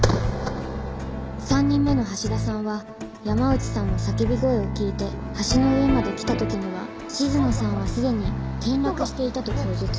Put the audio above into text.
３人目の橋田さんは山内さんの叫び声を聞いて橋の上まで来た時には静野さんはすでに転落していたと供述。